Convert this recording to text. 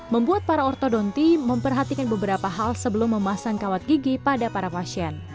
membuat para ortodonti memperhatikan beberapa hal sebelum memasang kawat gigi pada para pasien